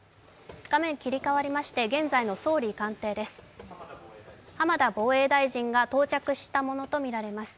画面切り替わりまして現在の総理官邸です。